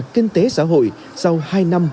quốc tế xã hội sau hai năm